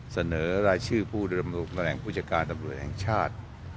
เสนอรายชื่อผู้มีแหล่งผู้จัดการตำรวจแห่งชาติ